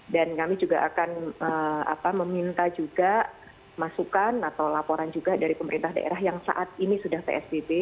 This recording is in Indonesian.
dan kami juga akan meminta juga masukan atau laporan juga dari pemerintah daerah yang saat ini sudah psbb